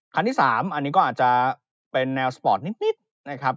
อันที่๓อันนี้ก็อาจจะเป็นแนวสปอร์ตนิดนะครับ